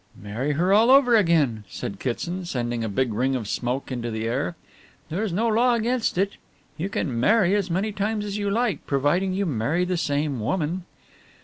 "Marry her all over again," said Kitson, sending a big ring of smoke into the air, "there's no law against it. You can marry as many times as you like, providing you marry the same woman."